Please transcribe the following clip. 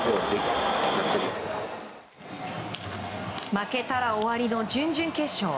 負けたら終わりの準々決勝。